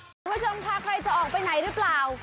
คุณผู้ชมค่ะใครจะออกไปไหนหรือเปล่า